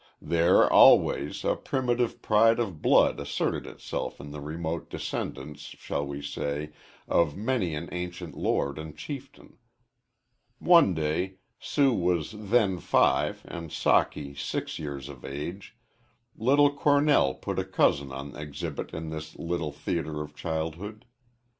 There, always, a primitive pride of blood asserted itself in the remote descendants, shall we say, of many an ancient lord and chieftain. One day Sue was then five and Socky six years of age Lizzie Cornell put a cousin on exhibit in this little theatre of childhood.